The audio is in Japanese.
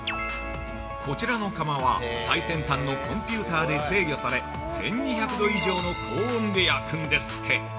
◆こちらの窯は、最先端のコンピューターで制御され１２００度以上の高温で焼くんですって！